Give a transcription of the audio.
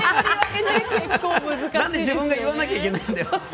なんで自分が言わなきゃいけないんだよって。